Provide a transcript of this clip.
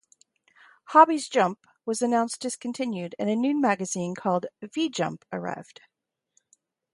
"Hobby's Jump" was announced discontinued, and a new magazine called "V Jump" arrived.